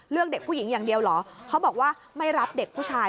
เด็กผู้หญิงอย่างเดียวเหรอเขาบอกว่าไม่รับเด็กผู้ชาย